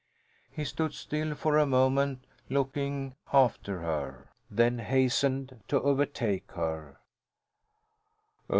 He stood still for a moment, looking after her, then hastened to overtake her.